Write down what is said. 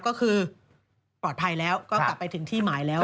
ก็คือปลอดภัยแล้วก็กลับไปถึงที่หมายแล้ว